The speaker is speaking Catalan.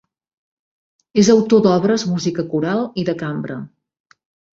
És autor d'obres música coral i de cambra.